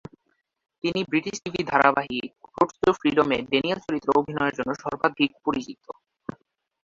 তিনি British TV ধারাবাহিক "roads to ফ্রিডম"-এ ড্যানিয়েল চরিত্রে অভিনয়ের জন্য সর্বাধিক পরিচিত।